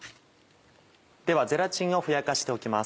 ではゼラチンをふやかしておきます。